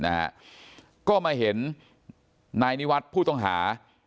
นะฮะก็มาเห็นนายนิวัฒน์ผู้ต้องหา